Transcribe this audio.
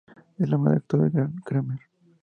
Es la madre del actor Grant Cramer.